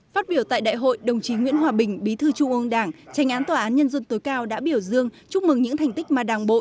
phát biểu tại đại hội đồng chí nguyễn hòa bình bí thư trung ương đảng tranh án tòa án nhân dân tối cao đã biểu dương chúc mừng những thành tích mà đảng bộ